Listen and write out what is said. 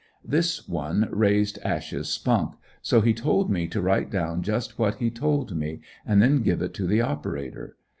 This one raised Ash's spunk, so he told me to write down just what he told me, and then give it to the operator.